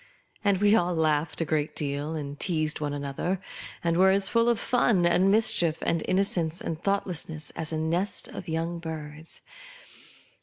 And we all laughed a great deal, and teased one another, and were as full of fun and mischief, and innocence and thoughtlessness, as a nest ol young birds.